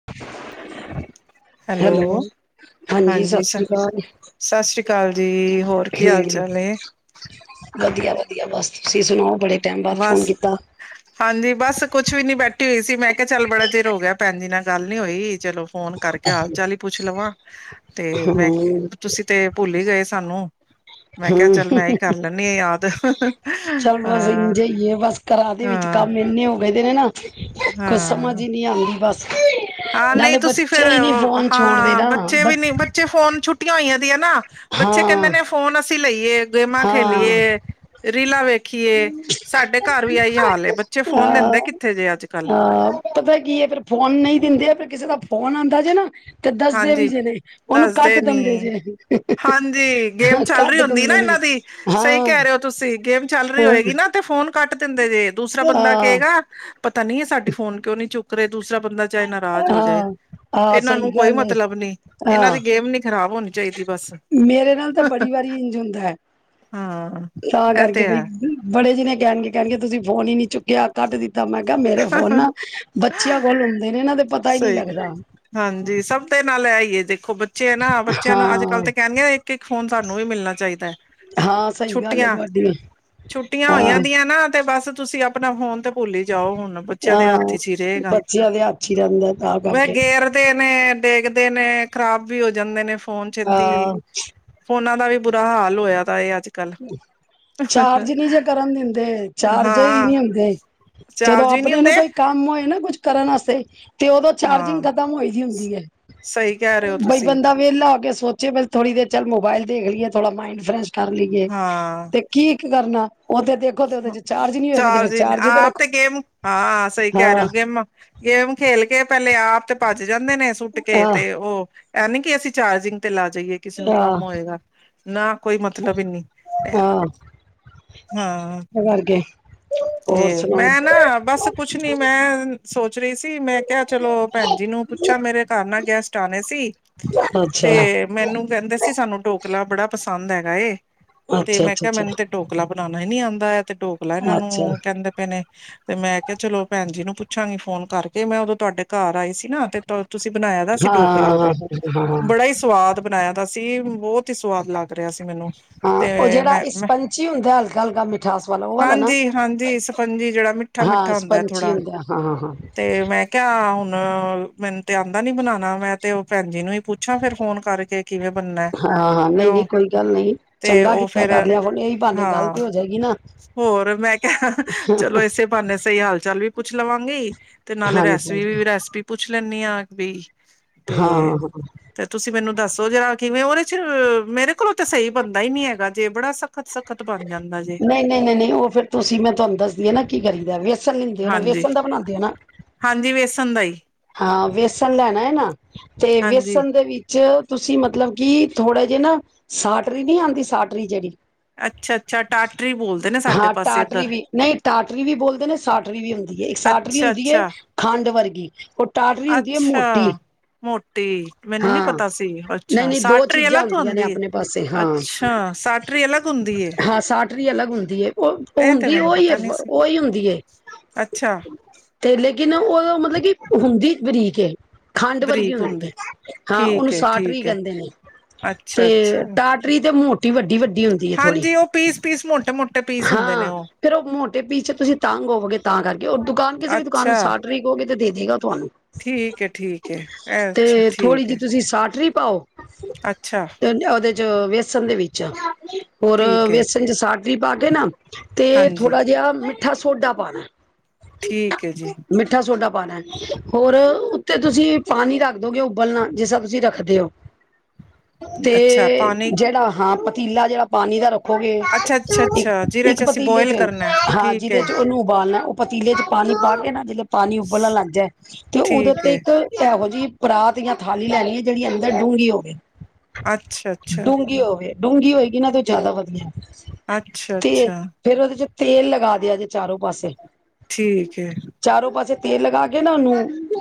[inaudible] Hello ਹਾਂਜੀ ਸਤਿ ਸ੍ਰੀ ਅਕਾਲ ਸਤਿ ਸ਼੍ਰੀ ਅਕਾਲ ਜੀ ਹੋਰ ਕੀ ਹਾਲ ਹਮ ਚਾਲ ਹੈ। ਵਧੀਆ- ਵਧੀਆ ਬਸ ਤੁਸੀ ਸੁਣਾਓ ਬੜੇ ਟਾਈਮ ਬਾਅਦ ਬਸ ਫੋਨ ਕੀਤਾ ਹਾਂਜੀ ਬਸ ਕੁਛ ਵੀ ਨੀ ਬੈਠੀ ਹੋਈ ਸੀ ਮੈ ਕਿਹਾ ਚੱਲੋ ਬੜਾ ਚਿਰ ਹੋ ਗਿਆ ਭੈਣ ਜੀ ਨਾਲ ਗੱਲ ਨੀ ਹੋਈ ਚਲੋ ਫੋਨ ਕਰਕੇ ਹਾਲ ਚਾਲ ਹੀ ਪੁੱਛ ਲਵਾਂ ਤੇ ਮੈ ਹਮ ਤੁਸੀ ਤੇ ਭੁੱਲ ਹੀ ਗਏ ਸਾਨੂੰ ਮੈ ਕਿਹਾ ਹਮ ਚੱਲ ਮੈਂ ਹੀ ਕਰ ਲੈਦੀ ਆ ਯਾਦ ਅਹ ਸਹੀਏ ਬਸ ਘਰਾ ਦੇ ਵਿਚ ਕਮ ਇਨੇ ਹੋ ਗਏ ਦੇ ਨੇ ਨਾ ਕੁਛ ਸਮਝ ਹਾਂ। ਹੀ ਨਹੀ ਆਉਦੀ ਬਸ ਹ [unintelligible] ਹਾਂ ਨਹੀ ਤੁਸੀ ਫੇਰ ਛੋੜਦੇ ਹਾਂ ਨਾ ਬੱਚੇ ਬ ਵੀ ਨਹੀ ਬੱਚੇ ਫੋਨ ਛੁੱਟੀਆਂ ਹੋਈਆਂ ਦੀਆਂ ਨਾ ਬੱਚੇ ਕਹਿੰਦੇ ਹਾਂ ਨੇ ਫੋਨ ਅਸੀਂ ਲਈਏ। ਗੇਮਾਂ ਹਾਂ ਖੇਲੀਏ ਰੀਲਾ ਵੇਖ ਖੀਏ ਸਾਡੇ ਘਰ ਵੀ ਆਹੀ ਹਾਲ ਬੱਚੇ ਫੋਨ ਦਿੰਦੇ ਅਹ ਕਿੱਥੇ ਜੇ ਅੱਜ ਕੱਲ੍ਹ। ਅਹ ਪਤਾ ਕੀ ਹੈ ਫਿਰ ਫੋਨ ਨਹੀਂ ਦਿੰਦੇ ਫਿਰ ਕਿਸੇ ਦਾ ਫੋਨ ਆਉਂਦਾ ਜੇ ਨਾ ਤੇ ਦੱਸਦੇ ਵੀ ਹਾਂਜੀ ਜਿ ਨੇ ਉਹਨੂੰ ਦੱਸਦੇ ਕੱਟ ਨੀ ਦਿੰਦੇ ਜੇ ਹਾਂਜੀ ਗੇਮ ਚੱਲ ਰਹੀ ਘੱਟ ਹੁੰਦੀ ਨਾ ਤਦੇ। ਇਹਨਾਂ ਦੀ ਸਹੀ ਕਹਿ ਰਹੇ ਹੋ ਤੁਸੀਂ ਗੇਮ ਚੱਲ ਰਹੀ ਹਾਂ ਹੋਏਗੀ ਨਾ ਤੇ ਫੋਨ ਕੱਟ ਦਿੰਦੇ ਜੇ ਦੂਸਰਾ ਬੰਦਾ ਹਾਂ ਕੇਗਾ ਪਤਾ ਨੀ ਹੈ ਸਾਡੀ ਫੋਨ ਕਿਉਂ ਨੀ ਚੁੱਕ ਰਹੇ ਦੂਸਰਾ ਬੰਦਾ ਚਾਹੇ ਨਾਰਾਜ਼ ਹੋ ਜਾਏ ਹਾਂ ਹਾਂ ਇਹਨਾਂ ਸਹੀ ਨੂੰ ਕੋਈ ਗੱਲ ਏ ਮਤਲਬ ਨੀ ਇਹਨਾਂ ਹਾਂ ਦੀ ਗੇਮ ਨੀ ਖ਼ਰਾਬ ਹੋਣੀ ਚਾਹੀਦੀ ਬਸ। ਮੇਰੇ ਨਾਲ ਤਾਂ ਬੜੀ ਵਾਰੀ ਇੰਝ ਹੁੰਦਾ ਹੈ ਹਾਂ ਤਾਂ ਇਹ ਕਰਕੇ ਤੇ ਹੈ ਬਈ। ਬੜੇ ਜਣੇ ਕਹਿਣਗੇ ਕਹਿਣਗੇ ਤੁਸੀਂ ਫੋਨ ਹੀ ਨੀ ਚੁੱਕਿਆ ਕੱਟ ਦਿੱਤਾ ਮੈਂ ਕਿਹਾ ਮੇਰੇ ਫੋਨ ਨਾ। ਬੱਚੀਆਂ ਕੋਲ ਹੁੰਦੇ ਨੇ ਇਹਨਾਂ ਦੇ ਪਤਾ ਹੀ ਨਹੀਂ ਸਹੀ ਲੱਗਦਾ ਹਾਂਜੀ ਸਭ ਦੇ ਨਾਲ ਹੈ ਹੀ ਏ ਦੇਖੋ ਬੱਚੇ ਨਾ ਬੱਚਿਆਂ ਨੂੰ ਅੱਜ ਹਾਂ ਕੱਲ੍ਹ ਤਾਂ ਕਹਿਣਗੇ ਇਕ- ਇਕ ਫੋਨ ਸਾਨੂੰ ਵੀ ਮਿਲਣਾ ਚਾਹੀਦਾ ਹੈ। ਹਾਂ ਸਹੀ ਗੱਲ ਹੈ ਛੁੱਟੀਆਂ- ਤੁਹਾਡੀ ਛੁੱਟੀਆਂ ਹਾਂ ਹੋਈਆਂਦੀਆਂ ਨਾ ਤੇ ਬਸ ਤੁਸੀ ਆਪ ਆਪਣਾ ਫੋਨ ਤੇ ਭੁੱਲ ਹੀ ਜਾਓ ਹੁਣ ਬੱਚਿਆਂ ਦੇ ਹੱਥ 'ਚ ਹੀ ਰਹੇਗਾ। ਚੀੰ ਦਾਤ [unintelligible] ਵ ਗੇਰਦੇ ਨੇ ਡੇਗਦੇ ਨੇ ਖਰਾਬ ਵੀ ਹੋ ਜਾਂਦੇ ਨੇ ਫੋਨ ਛੇਤੀ ਹਾਂ ਫੋਨਾ ਦਾ ਵੀ ਬੁਰਾ ਹਾਲ ਹੋਇਆ ਤਾ ਇਹ ਅੱਜ ਕੱਲ ਚਾਰਜ ਨੀ ਜੇ ਕਰਨ ਦਿੰਦੇ, ਚਾਰਜ ਹੀ ਹਾਂ ਨਹੀ ਹੁੰਦੇ। ਜਦੋਂ ਚਾਰਜ ਹੀ ਨਹੀਂ ਆਪਣੇ ਹੁੰਦੇ ਨੂੰ ਕੋਈ ਕੰਮ ਹੋਏ ਨਾ, ਕੁੱਛ ਕਰਨ ਵਾਸਤੇ ਤੇ ਉਦੋ ਚਾਰਜਿੰਗ ਹਾਂ ਖਤਮ ਹੋਏ ਦੀ ਹੁੰਦੀ ਹੈ। ਸਹੀ ਕਹਿ ਰਹੇ ਹੋ ਬਈ ਤੁਸੀਂ ਬੰਦਾ ਵੇਲਾ ਹੋ ਕੇ ਸੋਚੇ ਬ ਥੋੜੀ ਦੇਰ ਚੱਲ ਮੋਬਾਇਲ ਦੇਖ ਲਈਏ, ਥੋੜਾ ਮਾਈਡ ਫਰੈਸ਼ ਕਰ ਲਈਏ ਹਾਂ। ਤੇ ਕੀ, ਇੱਕ ਕਰਨਾ ਉਹਥ ਦੇਖ ਚਾਰਜੀ ਆਪ ਤੇ ਗੇਮ, ਹਾਂ ਸਹੀ ਕਹਿ ਰਹੇ ਹਾਂ ਹੋ ਗੇਮ। ਗੇਮ ਖੇਲ ਕੇ ਪਹਿਲੇ ਆਪ ਤੇ ਭੱਜ ਜਾਂਦੇ ਨੇ, ਸੁੱਟ ਕੇ ਹਾਂ ਤੇ ਉਹ ਇਹ ਨੀ ਕਿ ਅਸੀਂ ਚਾਰਜਿੰਗ ਤੇ ਲਾ ਜਾਈਏ, ਕਿਸੇ ਨੂੰ ਕੰਮ ਹਾਂ ਹੋਏਗਾ? ਨਾ, ਕੋਈ ਮਤਲਬ ਹੀ ਨੀ ਹਾਂ। ਵਰ ਗ [unintelligible] [unintelligible] ਤੇ, ਮੈਂ ਨਾ ਬਸ ਕੁਛ ਨੀ, ਮੈਂ ਸੋਚ ਰਹੀ ਸੀ, ਮੈਂ ਕਿਹਾ ਚਲੋ ਭੈਣ ਜੀ ਨੂੰ ਪੂ ਅਛਾ, ਮੇਰੇ ਘਰ ਨਾ ਗੈਸਟ ਆਣੇ ਸੀ। ਤੇ ਅੱਛਾ। ਮੈਨੂੰ ਕਹਿੰਦੇ ਸੀ ਸਾਨੂੰ ਢੋਕਲਾ ਬੜਾ ਪਸੰਦ ਹੈਗਾ ਏ, ਤੇ ਅੱਛਾ ਮੈਂ ਅੱਛਾ ਕਿਹਾ ਮੈਨੂੰ ਤੇ ਅੱਛਾ ਢੋਕਲਾ ਬਣਾਉਣਾ ਹੀ ਨੀ ਆਦਾ, ਐ ਤੇ ਢੋਕਲਾ ਇਹਨਾਂ ਅੱਛਾ ਨੂੰ ਕਹਿੰਦੇ ਪਏ ਨੇ। ਤੇ ਮੈਂ ਕਿਹਾ, ਚਲੋ ਭੈਣ ਜੀ ਨੂੰ ਪੁੱਛਾਂਗੀ ਫੋਨ ਕਰਕੇ, ਮੈਂ ਉਦੋਂ ਤੁਹਾਡੇ ਘਰ ਆਏ ਸੀ ਨਾ ਤੇ ਤੁਸੀਂ ਬਣਾਇਆ ਦਾ ਸੀ ਹਾਂ ਢੋਕਲਾ ਹਾਂ ਉਦੋਂ, ਹਾਂ ਬੜਾ ਹੀ ਸਵਾਦ ਬਣਾਇਆ ਦਾ ਸੀ, ਬਹੁਤ ਹੀ ਸਵਾਦ ਲੱਗਦ ਰਿਹਾ ਸੀ ਮੈਨੂੰ, ਤੇ ਮੈਂ ਮੈਂ ਜੀ ਹੁੰਦਾ ਏ ਹਲਕਾ, ਹਲਕਾ ਮੀ ਹਾਂਜੀ, ਹਾਂਜੀ ਸਫੰਜੀ ਜਿਹੜਾ ਮਿੱਠਾ ਹਾਂ ਮਿੱਠਾ ਹੁੰਦਾ ਹੈ ਇਸਪੰਚੀ ਥੋੜਾ, ਹੁੰਦਾ ਹਾਂ ਹਾਂ ਹਾਂ ਤੇ ਮੈਂ ਕਿਆ ਹੁਣ ਮੈਨੂੰ ਤੇ ਆਉਂਦਾ ਨੀ ਬਣਾਉਣਾ, ਮੈਂ ਤੇ ਉਹ ਭੈਣ ਜੀ ਨੂੰ ਹੀ ਪੁੱਛ ਪੁੱਛਾਂ ਫਿਰ ਫੋਨ ਕਰਕੇ ਕਿਵੇਂ ਬਣਨਾ ਏ? ਹਾਂ ਕਿਊ ਤੇ ਉਹ ਤਾਂ ਫੇਰ ਕਰ ਲਿਆ, ਹੁਣ ਇਹੀ ਭਾਨੇ ਗੱਲ ਹਾਂ ਤੇ ਹੋ ਜਾਏਗੀ ਨਾ। ਹੋਰ, ਮੈਂ ਕਿਹਾ ਚਲੋ ਇਸੇ ਭਾਨੇ ਸਹੀ ਹਾਲ ਚਾਲ ਵੀ ਪੁੱਛ ਲਵਾਂਗੀ ਤੇ ਨਾਲੇ ਹਾਂਜੀ ਰੈਸਪੀ ਹਾਂਜੀ ਵੀ ਰੈਸਪੀ ਪੁੱਛ ਲੈਂਦੀ ਆ, ਬਈ ਹਾਂ ਹਾਂ ਤੇ ਤੁਸੀਂ ਮੈਨੂੰ ਦੱਸੋ ਜਰਾ, ਕਿਵੇਂ ਉਹਦੇ ਚ ਮੇਰੇ ਕੋਲੋਂ ਤਾਂ ਸਹੀ ਬਣਦਾ ਹੀ ਨੀ ਹੈਗਾ ਜੇ ਬੜਾ ਸਖ਼ਤ ਸਖਤ, ਸਖਤ ਬਣ ਜਾਂਦਾ ਜੇ। ਨਹੀਂ, ਨਹੀਂ, ਨਹੀਂ, ਨਹੀਂ ਉਹ ਫਿਰ ਤੁਸੀਂ ਮੈਂ ਤੁਹਾਨੂੰ ਦੱਸਦੀ ਹੈ ਨਾ ਕੀ ਕਰੀਦਾ, ਵੇਸਨ ਲੈਂਦੇ ਹੋ ਨਾ, ਹਾਂਜੀ ਵੇਸਣ ਦਾ ਬਣਾਉਂਦੇ ਹੋਨਾ ਨਾ ਹਾਂਜੀ, ਵੇਸਣ ਦਾ ਈ। ਹਾਂ, ਵੇਸਣ ਲੈਣਾ ਹੈ ਨਾ ਤੇ ਹਾਂਜੀ ਵੇਸਣ ਦੇ ਵੀ ਚ ਤੁਸੀਂ ਮਤਲਬ ਕਿ ਥੋੜੇ ਜਿਹਾ ਨਾ ਸਾਟਰੀ ਨਹੀਂ ਆਉਂਦੀ ਸਾਟਰੀ ਜਿਹੜੀ ਅੱਛਾ ਅੱਛਾ ਟਾਟਰੀ ਬੋਲਦੇ ਨੇ ਸਾਡੇ ਹਾਂ, ਪਾਸੇ ਟਾਟਰੀ ਇੱਧਰ ਵੀ, ਨਹੀਂ ਟਾਟਰੀ ਵੀ ਬੋਲਦੇ ਨੇ ਸਾਟਰੀ ਵੀ ਹੁੰਦੀ ਹੈ ਇੱਕ ਸਾਟਰੀ ਅੱਛਾ ਹੁੰਦੀ ਹੈ ਅੱਛਾ ਖੰਡ ਵਰਗੀ ਟਾਟਰੀ ਹੁੰਦੀ ਹੈ ਅੱਛਾ। ਮੋਟੀ ਮੋਟੀ, ਮੈਨੂੰ ਨੀ ਹਾਂ ਪਤਾ ਸੀ, ਨਹੀਂ ਅੱਛਾ ਨਹੀਂ ਦੋ ਸਾਟਰੀ ਚੀਜ਼ਾਂ ਅਲਗ ਤੋ ਹੁੰਦੀਆਂ ਨੇ ਆਉਂਦੀ ਏ। ਆਪਣੇ ਪਾਸੇ ਹਾਂ ਅੱਛਾ, ਸਾਟ ਟਰੀ ਅਲੱਗ ਹੁੰਦੀ ਏ ਟਰੀ ਅਲੱਗ ਹੁੰਦੀ ਹੈ, ਓ ਹੁੰਦੀ ਮੈਨੂੰ ਉਹਹੀ ਏ, ਪਤਾ ਨੀ ਸੀ ਓ ਈ ਹੁੰਦੀ ਏ ਅੱਛਾ ਤੇ ਲੇਕਿਨ, ਉਹ ਮਤਲਬ ਕਿ ਹੁੰਦੀ ਬਰੀਕ ਏ। ਖੰਡ ਵਰਗੀ ਹੁੰਦੀ ਹੈ ਹਾਂ, ਉਹਨੂੰ ਠੀਕ ਹੈ ਸਾਟਰੀ ਠੀਕ ਹੈ ਕਹਿੰਦੇ ਨੇ, ਅੱਛਾ ਤੇ ਅੱਛਾ ਟਾਟ ਤੇ ਮੋਟੀ ਵੱਡੀ, ਵੱਡੀ ਹੁੰਦੀ ਹੈ ਥੋੜ੍ਹੀ ਹਾਂਜੀ, ਉਹ ਪੀਸ- ਪੀਸ ਮੋਟੇ ਮੋਟੇ ਪੀਸ ਹੁੰਦੇ ਨੇ ਹਾਂ ਉਹ। ਫੇਰ ਉਹ ਮੋਟੇ ਪੀਚੇ ਤੁਸੀਂ ਤਾਂੰਗ ਹੋਵੋਗੇ ਤਾਂ ਕਰਕੇ ਉਹਰ ਦੁਕਾਨ ਕਿਸੇ ਵੀ ਦੁਕਾਨ ਨੂੰ ਅੱਛਾ ਸਾਟਰੀ ਮਗੋ ਗੇ ਤੇ ਦੇ ਦੇਗਾ ਤੁਹਾਨੂੰ, ਠੀਕ ਹੈ ਠੀਕ ਹੈ ਅੱਛਾ ਤੇ ਥੋੜ੍ਹੀ ਠੀਕ ਜਿਹੀ ਹੈ ਤੁਸੀਂ ਸਾਟਰੀ ਪਾਓ ਅੱ [inaudible] [unintelligible] ਅੱਛਾ। ਉਹਦੇ ਚ, ਵੇਸਣ ਦੇ ਵਿੱਚ। ਹੋਰ, ਠੀਕ ਹੈ ਵੇਸਣ ਚ ਸਾਟਰੀ ਪਾ ਕੇ ਨਾ ਤੇ ਹਾਂਜੀ ਥੋੜ੍ਹਾ ਜਿਹਾ ਮਿ ਮਿੱਠਾ ਸੋਡਾ ਪਾਣੇ, ਠੀਕ ਹੈ ਜੀ ਮਿੱਠਾ ਸੋਡਾ ਪਾਉਣਾ। ਹੋਰ ਉੱਤੇ ਤੁਸੀਂ ਪਾਣੀ ਰੱਖ ਦੋਗੇ ਉਬਲਨਾ, ਜਿਸ ਤਰ ਤੁਸੀਂ ਰੱਖਦੇ ਹੋ [inaudible] ਤੇ ਅੱਛਾ ਪਾਣੀ ਜਿਹੜਾ ਹਾਂ, ਪਤੀਲਾ ਜਿਹੜਾ ਪਾਣੀ ਦਾ ਰ। ਰਖੋਗੇ ਅੱਛਾ ਅੱਛਾ ਅੱਛਾ ਇੱਕ ਜਿਹਦੇ ਇੱਕ ਚ ਅਸੀਂ ਪਤੀਲੇ ਬੋਇਲ ਚ ਕਰਨਾ ਹਾਂ, ਠੀਕ ਜਿਹਦੇ ਹੈ 'ਚ ਉਹਨੂੰ ਉਬਾਲਣਾ- ਪਤੀਲੇ 'ਚ ਪਾਣੀ ਪਾ ਕੇ ਨਾ, ਜਦੋਂ ਪਾਣੀ ਉਬਲਣ ਲੱਗ ਜਾਏ ਤੇ ਉਹਦੇ ਠੀਕ ਤੇ ਹੈ ਇਕ - ਇਹੋ ਜਿਹੀ ਪਰਾਤ ਜਾਂ ਥਾਲੀ ਲੈਣੀ ਹੈ ਜਿਹੜੀ ਅੰਦਰ ਡੂੰਘੀ ਹੋਵੇ। ਅੱਛਾ ਅੱਛਾ ਡੂੰਘੀ ਹੋਵੇ, ਡੂੰਗੀ ਹੋਏਗੀ ਇਹ ਤੋਂ ਜ਼ਿਆਦਾ ਵਧੀਆ ਤੇ ਅੱਛਾ-ਅੱਛਾ। ਫੇਰ ਉਹਦੇ 'ਚ ਤੇਲ ਲਗਾ ਦਿਆ ਜੇ ਚਾਰੋਂ ਪਾਸੇ। ਠੀਕ ਹੈ। ਚਾਰੋਂ ਪਾਸੇ ਤੇਲ ਲਗਾ ਕੇ ਨਾ ਉਹਨੂੰ,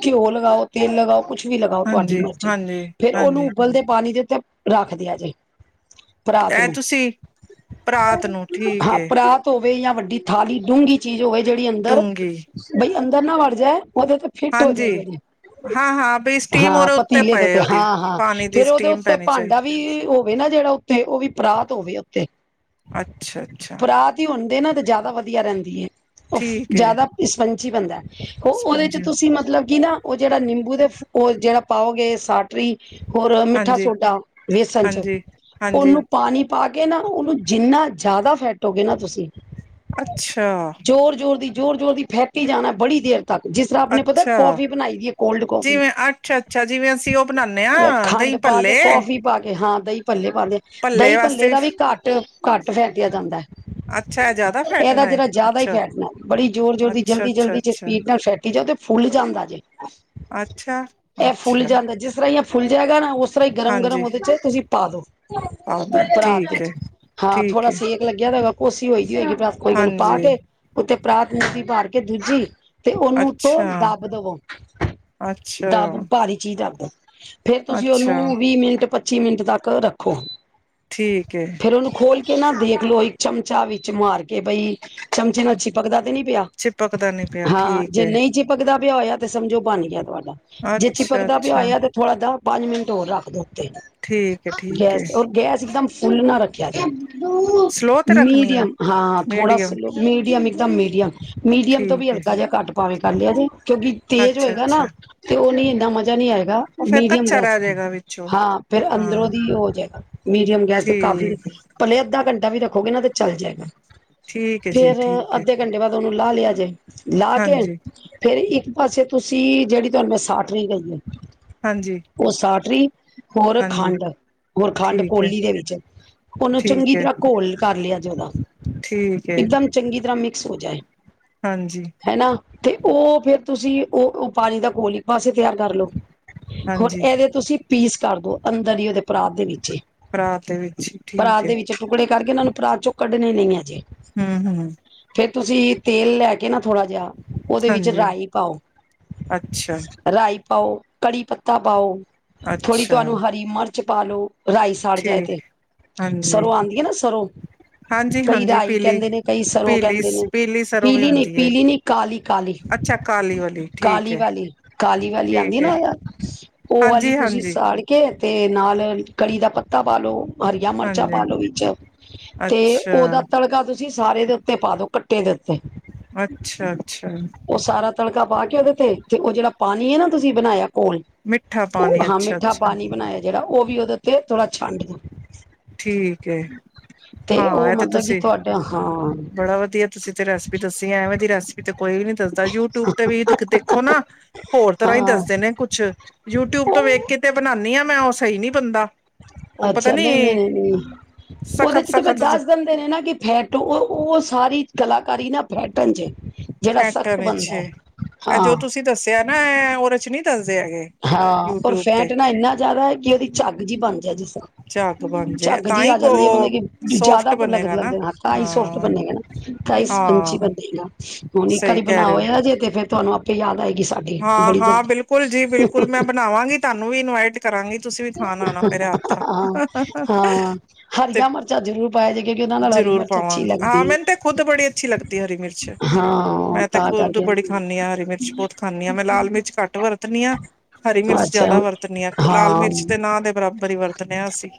ਘਿਓ ਲਗਾਓ ਤੇਲ ਲਗਾਓ ਕੁਛ ਵੀ ਲਗਾਓ ਤੁਹਾਡੀ ਹਾਂਜੀ ਮਰਜ਼ੀ, ਹਾਂਜੀ ਫੇਰ ਉਹਨੂੰ ਹਾਂਜੀ ਉਬਲਦੇ ਪਾਣੀ ਦੇ ਉੱਤੇ ਰੱਖਦੇ ਆ ਜੇ। ਪਰਾਤ ਇਹ ਨੂੰ, ਤੁਸੀਂ ਪਰਾਤ ਨੂੰ ਠੀਕ ਹਾਂ ਹੈ ਪਰਾਤ ਹੋਵੇ ਜਾਂ ਵੱਡੀ ਥਾਲੀ ਡੂੰਘੀ ਚੀਜ਼ ਹੋਵੇ ਜਿਹੜੀ ਅੰਦਰ, ਡੂੰਘੀ ਬਈ ਅੰਦਰ ਨਾ ਵੜ ਜਾਏ ਉਹਦੇ ਤੇ ਫਿੱਟ ਹੋ ਜਾਏ ਹਾਂਜੀ ਜਿਹੜੇ ਹਾਂ-ਹਾਂ ਬਈ ਸਟੀਮ ਹਾਂ ਉਹਦੇ ਉੱਤੇ ਪਤੀਲੇ ਦਾ ਪਏ ਪਿਆ ਉਹਦੀ ਹਾਂ-ਹਾਂ ਪਾਣੀ ਦੀ ਫੇਰ ਉਹਦੇ ਸਟੀਮ ਉੱਤੇ ਪੈਣੀ ਭਾਂਡਾ ਚਾਹੀਦੀ ਵੀ ਉਹ ਹੋਏ ਨਾ ਜਿਹੜਾ ਉੱਤੇ, ਉਹ ਵੀ ਪਰਾਤ ਹੋਵੇ ਉੱਤੇ। ਅੱਛਾ-ਅੱਛਾ! ਆ ਤੀ ਹੁੰਦੇ ਨਾ ਤੇ ਜ਼ਿਆਦਾ ਵਧੀਆ ਰਹਿੰਦੀ ਹੈ, ਉਹ ਠੀਕ ਏ ਜ਼ਿਆਦਾ ਸਪੰਚੀ ਬਣਦਾ। ਉਹ ਉਹਦੇ ਚ ਸਪੰਜੀ ਤੁਸੀਂ ਮਤਲਬ ਕਿ ਨਾ, ਉਹ ਜਿਹੜਾ ਨਿੰਬੂ ਦੇ ਉਹ ਜਿਹੜਾ ਪਾਓਗੇ ਸਾਟਰੀ ਹੋਰ ਮਿੱਠਾ ਸੋਡਾ ਵੇਸਣ 'ਚ ਹਾਂਜੀ-ਹਾਂਜੀ-ਹਾਂਜੀ ਉਹਨੂੰ ਪਾਣੀ ਪਾ ਕੇ ਨਾ, ਉਹਨੂੰ ਜਿੰਨਾ ਜ਼ਿਆਦਾ ਫੈਟੋਗੇ ਨਾ ਤੁਸੀਂ ਅੱਛਾ! ਜ਼ੋਰ-ਜ਼ੋਰ ਦੀ ਜ਼ੋਰ ਜ਼ੋਰ ਦੀ ਫੈਕੀ ਜਾਣਾ, ਬੜੀ ਦੇਰ ਤੱਕ ਜਿਸ ਸਾਬ ਨੇ ਪਤਾ ਕੌਫੀ ਬਣਾਈ ਐ ਕੋਲਡ ਕੌਫੀ। ਜਿਵੇਂ ਅੱਛਾ-ਅੱਛਾ ਜਿਵੇਂ ਅਸੀਂ ਉਹ ਬਣਾਨੇ ਆ ਦਹੀਂ ਖੰਡ ਪਾ ਕੇ, ਭੱਲੇ ਕੌਫੀ ਪਾ ਕੇ, ਹਾਂ ਦਹੀਂ ਭੱਲੇ ਪਾਦੇ ਦਹੀਂ ਭੱਲੇ ਦਾ ਵੀ ਘੱਟ-ਘੱਟ ਫੈਟਿਆ ਜਾਂਦਾ ਹੈ ਅੱਛਾ ਇਹ ਜ਼ਿਆਦਾ ਇਹਦਾ ਫੈਟਣਾ ਏ ਜਿਹੜਾ ਜ਼ਿਆਦਾ ਹੀ ਅੱਛਾ ਫੇਂਟਨਾ, ਬੜੀ ਜ਼ੋਰ ਜ਼ੋਰ ਦੀ ਜਲਦੀ-ਜਲਦੀ 'ਚ ਅੱਛਾ-ਅੱਛਾ-ਅੱਛਾ ਸਪੀਡ ਨਾਲ ਫੈਂਟ ਕਿ ਜਦ ਏ ਫੁੱਲ ਜਾਂਦਾ ਜੇ, ਇਹ ਫੁੱਲ ਅੱਛਾ-ਅੱਛਾ ਜਾਂਦਾ, ਜਿਸ ਤਰ੍ਹਾਂ ਹੀ ਫੁੱਲ ਜਾਏਗਾ ਨਾ ਉਸ ਇਸ ਤਰ੍ਹਾਂ ਹੀ ਗਰਮ ਹਾਂਜੀ ਗਰਮ ਉਹਦੇ 'ਚ ਤੁਸੀਂ ਪਾਦੋ ਆਦਾ ਪਰਾਤ ਠੀਕ ਏ ਹਾਂ ਠੀਕ ਥੋੜਾ ਏ ਸੇਕ- ਲੱਗਿਆ ਹੋਗਾ ਕੋਸੀ ਹੋਈ ਦੀ ਹੋਏਗੀ ਬ ਕੋਈ ਕਹੂੰ ਪਾ ਹਾਂਜੀ ਕੇ ਉੱਤੇ ਪ੍ਰਰਾਤ ਨਤੀ ਮਾਰ ਕੇ ਦੂਜੀ ਤੇ ਉਹਨੂੰ ਉਤੋਂ ਦੱਬ ਦਵੋ, ਦੱਬ- ਅੱਛਾ-ਅੱਛਾ-ਅੱਛਾ ਸਾਰੀ ਚੀਜ਼ ਰੱਖਦ, ਫੇਰ ਤੁਸੀਂ ਉਹਨੂੰ ਵੀਹ ਮਿੰਟ- ਪੱਚੀ ਮਿੰਟ ਤੱਕ ਰੱਖੋ। ਠੀਕ ਏ ਜੀ। ਫੇਰ ਉਹਨੂੰ ਖੋਲ ਕੇ ਨਾ ਦੇਖਲਓ, ਇੱਕ ਚਮਚਾ ਵਿੱਚ ਮਾਰ ਕੇ ਬਈ ਚਮਚੇ ਨਾਲ ਚਿਪਕਦਾ ਤੇ ਨੀ ਪਿਆ ਹੈਗਾ। ਚਿਪਕਦਾ ਨੀ ਪਿਆ, ਠੀਕ ਹੈ। ਚਿਪਕਦਾ ਵੀ ਹੋਇਆ ਤੇ ਸਮਝੋ ਬਣ ਗਿਆ ਤੁਹਾਡਾ, ਜੇ ਅੱਛਾ ਚਿਪਕਦਾ ਪਿਆ ਅੱਛਾ ਹੋਇਆ। ਥੋੜ੍ਹਾ ਜ ਪੰਜ ਮਿੰਟ ਹੋਰ ਰੱਖ ਦੋ ਉੱਤੇ ਠੀਕ ਏ ਠੀਕ ਏ ਗੈਸ ਔਰ ਗੈਸ ਇਕਦਮ- ਫੁੱਲ ਨਾ ਰੱਖਿਆ ਜੇ ਸਲੋ ਤੇ ਰੱਖਣੀ ਏ ਮੀਡੀਅਮ ਹਾਂ ਥੋੜਾ ਸ ਮੀਡੀਅਮ। ਲੋੋ ਮੀਡੀਅਮ ਇੱਕਦਮ ਮੀਡੀਅਮ ਮੀਡੀਅਮ ਤੋਂ ਵੀ ਠੀਕ ਏ ਹਲਕਾ ਜਿਹਾ ਘੱਟ ਪਾਵੇ। ਜ [unintelligible] ਕਿਉਂਕਿ ਤੇਜ਼ ਅੱਛਾ ਹੋਏਗਾ ਨਾ ਅੱਛਾ ਤੇ ਉਹ ਨੀ ਇੰਨਾ ਮਜ਼ਾ ਨਹੀਂ ਆਏਗਾ। ਉਹ ਫੇਰ ਮੀਡੀਅਮ ਕੱਚਾ ਗੈਸ, ਰਹਿ ਜਾਏਗਾ ਵਿੱਚੋਂ ਹਾਂ ਫਿਰ ਅੰਦਰੋਂ ਹਾਂ। ਦੀ ਹੋਜੇ ਮੀਡੀਅਮ ਗੈਸ ਤੇ ਕਾਫੀ ਠੀਕ ਏ ਪਲੇ ਅੱਧਾ ਘੰਟਾ ਵੀ ਰੱਖੋਗੇ ਨਾ ਤੇ ਚੱਲ ਜਾਏਗਾ ਠੀਕ ਏ ਜੀ ਫੇਰ ਠੀਕ ਏ ਅੱਧੇ ਘੰਟੇ ਬਾਅਦ ਉਹਨੂੰ ਲਾ ਦਿਆ ਜੇ, ਲਾ ਕੇ ਹਾਂਜੀ ਤੇ ਇੱਕ ਪਾਸੇ ਤੁਸੀਂ, ਜਿਹੜੀ ਤੁਹਾਨੂੰ ਮੈਂ ਸਾਟਰੀ ਕਈ ਐ। ਹਾਂਜੀ ਉਹ ਸਾਟਰੀ ਹੋਰ ਹਾਂਜੀ ਖੰਡ ਹੋਰ ਖੰਡ ਠੀਕ ਏ ਕੋਲੀ ਦੇ ਵਿੱਚ ਉਹਨੂੰ ਚੰਗੀ ਠੀਕ ਏ ਤਰ੍ਹਾਂ ਘੋਲ ਕਰ ਲਿਆ ਜ ਓਦਾ। ਠੀਕ ਏ। ਇਕਦਮ ਚੰਗੀ ਤਰ੍ਹਾਂ ਮਿਕਸ ਹੋ ਜਾਏ। ਹਾਂਜੀ। ਹਨਾ? ਤੇ ਉਹ ਫੇਰ ਤੁਸੀਂ ਉਹ ਪਾਣੀ ਦਾ ਘੋਲ ਬਸ ਇਹ ਤਿਆਰ ਕਰ ਲਓ ਹੁਣ ਹਾਂਜੀ ਇਹਦੇ ਤੁਸੀਂ ਪੀਸ ਕਰਦੋ ਅੰਦਰ ਹੀ ਉਹਦੇ ਪਰਾਤ ਦੇ ਵਿੱਚ ਹੀ ਭਰਾਤ ਦੇ ਵਿੱਚ ਹੀ ਠੀਕ ਏ ਟੁਕੜੇ ਕਰਕੇ ਇਹਨਾਂ ਨੂੰ ਪਰਾਤ ਚੋਂ ਕੱਢਣੇ ਨਹੀਂ ਹੈਜੇ ਹਮ ਹਮ ਫੇਿਰ ਤੁਸੀਂ ਤੇਲ ਲੈ ਕੇ ਨਾ ਥੋੜ੍ਹਾ ਜਿਹਾ ਉਹਦੇ ਵਿੱਚ ਹਾਂਜੀ ਰਾਈ ਪਾਓ ਅੱਛਾ ਰਾਈ ਪਾਓ ਕੜੀ ਪੱਤਾ ਪਾਓ ਥੋੜ੍ਹੀ ਅੱਛਾ ਤੁਹਾਨੂੰ ਹਰੀ ਮਿਰਚ ਪਾ ਲਓ ਰਾਈ ਸਾੜ ਜਾਏ ਤੇ ਠੀਕ ਹਾਂਜੀ ਸਰੋਂ ਆਉਂਦੀ ਹੈ ਨਾ ਸਰੋਂ ਹਾਂਜੀ ਕਈ ਹਾਂਜੀ ਰਾਈ ਪੀਲੀ ਕਹਿੰਦੇ ਨੇ ਕਈ ਸਰੋਂ ਪੀਲੀ ਕਹਿੰਦੇ ਨੇ ਸਰੋਂ ਵੀ ਪੀਲੀ ਨੀ ਹੁੰਦੀ ਏ। ਪੀਲੀ ਨੀ ਕ ਕਾਲੀ, ਕਾਲੀ, ਅੱਛਾ ਕਾਲੀ ਵਾਲੀ ਠੀਕ ਕਾਲੀ ਹੈ ਵਾਲੀ, ਕਾਲੀ ਵਾਲੀ ਆਉਂਦੀ ਠੀਕ ਹੈ ਨਾ ਯਾਰ ਉਹ ਵਾਲੀ ਹਾਂਜੀ ਤੁਸੀਂ ਹਾਂਜੀ ਸਾੜ ਕੇ ਤੇ ਨਾਲ ਕੜੀ ਦਾ ਪੱਤਾ ਪਾਾਲਓ ਹਰੀਆਂ ਮਿਰਚਾਂ ਪਾ ਹਾਂਜੀ ਲੋੋ ਵਿੱਚ ਤੇ ਅੱਛਾ ਉਹਦਾ ਤੜਕਾ ਤੁ ਤੁਸੀਂ ਸਾਰੇ ਦੇ ਉੱਤੇ ਪਾਦੋ ਕੱਟੇ ਦੇ ਉੱਤੇ ਅੱਛਾ ਅੱਛਾ ਉਹ ਸਾਰਾ ਤੜਕਾ ਪਾ ਕੇ ਉਹਦੇ ਤੇ ਤੇ ਉਹ ਜਿਹੜਾ ਪਾਣੀ ਨਾ ਤੁਸੀਂ ਬਣਾਇਆ ਕੋਲ ਮਿੱਠਾ ਉਹ ਪਾਣੀ ਹਾਂ ਅੱਛਾ ਮਿੱਠਾ ਅੱਛਾ ਪਾਣੀ ਬਣਾਇਆ ਜਿਹੜਾ ਉਹ ਵੀ ਉਹਦੇ ਉੱਤੇ ਥੋੜਾ ਛੰਡ ਦਿ ਠੀਕ ਹਾਂ ਉਹ ਇਹ ਤੇ ਮਤਲਬ ਕਿ ਤੁਸੀਂ ਤੁਹਾਡਾ ਹਾਂ ਬੜਾ ਵਧੀਆ ਤੁਸੀਂ ਤੇ ਰ ਦਸੀ ਐਵੇਂ ਦੀ ਰੈਸਪੀ ਤੇ ਕੋਈ ਨੀ ਦੱਸਦਾ ਯੂਟਿਊਬ ਤੇ ਵੀ ਦੇਖੋ ਨਾ ਹੋਰ ਤਰ੍ਹਾਂ ਹੀ ਹਾਂ ਦੱਸਦੇ ਨੇ ਕੁਛ ਯੂਟਿਊਬ ਤੋਂ ਵੇਖ ਉਹ ਕੇ ਤੇ ਬਣਾਉਦੀ ਹਾਂ ਮੈਂ ਉਹ ਸਹੀ ਨੀ ਬਣਦਾ ਉਹ ਪਤਾ ਅੱਛਾ ਨੀ ਨਹੀਂ ਨਹੀਂ ਨਹੀਂ ਨਹੀਂ ਉਹਦੇ ਸਖਤ ਚ ਤੇ ਫਿਰ ਸਖਤ ਦੱਸ ਦਿਨ ਨੇ ਨਾ ਕਿ ਫੈਟ ਉਹ ਸਾਰੀ ਕਲਾਕਾਰੀ ਨਾ ਫੈਟਨ ਚ ਜਿਹੜਾ ਖੈਟਣ ਸਖਤ ਵਿੱਚ ਬੰਣਦਾ ਇਹ ਜੋ ਹੈ। ਤੁਸੀਂ ਦੱਸਿਆ ਨਾ ਉਹਦੇ ਚ ਨਹੀਂ ਦੱਸਦੇ ਹੈਗੇ ਹਾਂ ਰ ਯੂਟਿਊਬ ਤੇ ਫੈਂਟਣਾ ਇੰਨਾ ਜ਼ਿਆਦਾ ਹੈ ਕਿ ਉਹਦੀ ਝੱਗ ਜਿ ਬਣ ਜਾ ਜਿਸ ਝੱਗ ਬਣ ਜੇ ਝੱਗ ਤਾਂ ਜਿਹੀ ਹੀ ਆ ਜਾਂਦੀ ਹੈ ਉਹ ਮਤਲਬ ਕਿ ਸੋਫਟ ਜਿਆਦਾ ਲੱਗ ਬਣੇਗਾ ਨਾ ਲੱਗਦੇ ਹੱ ਤਾਂ ਹੀ ਸੋਫਟ ਹਾਂ ਬੰਨੇ ਗ ਨਾ ਇਨੀ ਸਪਾਈਸੀ ਹੀ ਹਾਂ ਬਣਦੀ ਹੁਣ ਇੱਕ ਸਹੀ ਵਾਰੀ ਕਹਿ ਬਣਾ ਰਹੇ ਹੋ ਹੋਇਆ ਜੇ ਤੇ ਫਿਰ ਤੁਹਾਨੂੰ ਆਪੇ ਯਾਦ ਆਏਗੀ ਸਾਡੀ ਹਾਂ ਬੜੀ ਹਾਂ ਜ਼ਿਆਦਾ ਬਿਲਕੁਲ ਜੀ ਬਿਲਕੁਲ ਮੈਂ ਬਣਾਵਾਂਗੀ ਤੁਹਾਨੂੰ ਵੀ ਇਨਵਾਈਟ ਕਰਾਂਗੀ ਤੁਸੀਂ ਵੀ ਖਾਣ ਆਉਣਾ ਮੇਰ ਹੱਥ ਦਾ। ਹਾਂ ਹਾਂ ਹਰੀਆਂ ਮਿਰਚਾਂ ਜ਼ਰੂਰ ਪਾਇਆ ਜੇ ਕਿਉਂਕਿ ਉਹਨਾਂ ਨਾਲ ਹਰੀ ਜ਼ਰੂਰ ਮਿਰਚ ਅੱਛੀ ਪਾਵਾਂਗਾ ਹਾਂ ਲੱਗਦੀ ਹੈ ਮੈਨੂੰ ਤੇ ਖੁੱਦ ਬੜੀ ਅੱਛੀ ਲੱਗਦੀ ਹਰੀ ਮਿਰਚ ਹਾਂ ਮੈਂ ਤੇ ਤਾਂ ਖਦ ਬੀ ਕਰਕੇ ਖਾਂਦੀ ਹਰੀ ਮਿਰਚ ਬਹੁਤ ਖਾਂਦੀ ਮੈਂ ਲਾਲ ਮਿਰਚ ਘੱਟ ਵਰਤਣੀ ਹਾਂ ਅਤੇ ਹਰੀ ਮਿਰਚ ਜਿਆਦਾ ਵਰਤਣੀ ਆ ਲਾਲ ਹਾਂ ਮਿਰਚ ਦੇ ਨਾਂ ਦੇ ਬਰਾਬਰ ਹੀ ਵਰਟਦੇ ਹਾਂ ਅਸੀ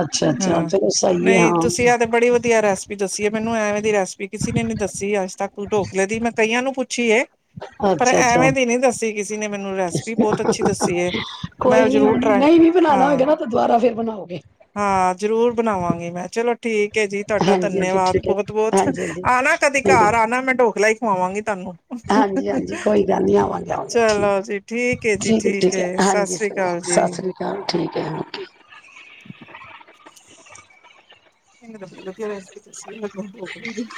ਅੱਛਾ ਅੱਛਾ ਹਾਂ ਚਲੋ ਸਹੀ ਹੈ ਨਹੀਂ ਤੁਸੀਂ ਹਾਂ ਆ ਤੇ ਬੜੀ ਵਧੀਆ ਰੈਸਪੀ ਵੀ ਦੱਸੀਏ ਮੈਨੂੰ ਐਵੇਂ ਦੀ ਰੈਸਪੀ ਕਿਸੇ ਨੇ ਵੀ ਨੀ ਦਸੀ ਅੱਜ ਤੱਕ ਢੋਕਲੇ ਦੀ ਮੈਂ ਕਈਆਂ ਨੂੰ ਪੁੱਛੀ ਏ ਪਰ ਅੱਛਾ ਅੱਛਾ ਐਵੇਂ ਤ ਨੀ ਦੱਸੀ ਕਿਸੇ ਨੇ ਮੈਨੂੰ ਰੈਸਪੀ ਬਹੁਤ ਅੱਛੀ ਦੱਸੀ ਹੈ ਮੈਂ ਉਹ ਕੋਈ ਨੀ ਜ਼ਰੂਰ ਹੁਣ ਟਰਾਈ ਨਹੀਂ ਵੀ ਬਣਾਉਣਾ ਹਾਂ ਹੋਏਗਾ ਨਾ ਦੁਬਾਰਾ ਫੇਰ ਬਣਾਓਗੀ ਹਾਂ ਜ਼ਰੂਰ ਬਣਾਵਾਂਗੀ ਮੈਂ ਚਲੋ ਠੀਕ ਜੀ ਤੁਹਾਡਾ ਹਾਂਜੀ ਹਾਂਜੀ ਧੰਨੇਵਾਦ ਠੀਕ ਹੈ ਬਹੁਤ ਬਹੁਤ ਹਾਂਜੀ ਹਾਂਜੀ ਆ ਨਾ ਕਦੇ ਠੀਕ ਹੈ ਘਰ ਆ ਨਾ ਮੈਂ ਢੋਕਲਾ ਹੀ ਖਵਾਵਾਂਗੀ ਤੁਹਾਨੂੰ ਹਾਂਜੀ ਹਾਂਜੀ ਕੋਈ ਗੱਲ ਨਹੀਂ ਆਵਾਂ ਠੀਕ ਚਲੋ ਜੀ ਠੀਕ ਜੀ ਹੈ ਠੀਕ ਹੈ ਸਤਿ ਹਾਂਜੀ ਸ੍ਰੀ ਸਹੀ ਅਕਾਲ ਸਤਿ ਜੀ ਸ੍ਰੀ ਅਕਾਲ ਠੀਕ ਹੈ [inaudible] ਮੈਨੂੰ ਤਾਂ ਬੜੀ ਵਧੀਆ ਦੱਸੀ ਰੈਸਪੀ ਢੋਕਲੇ ਦੀ।